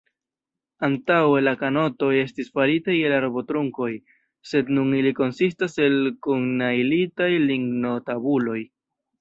Antaŭe la kanotoj estis faritaj el arbotrunkoj, sed nun ili konsistas el kunnajlitaj lignotabuloj.